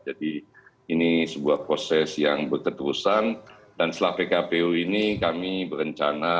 jadi ini sebuah proses yang berketerusan dan setelah pkpu ini kami berencana